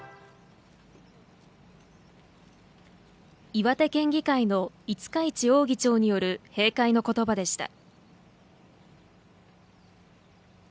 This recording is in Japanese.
岩手県議会の五日市王議長による閉会の言葉でした。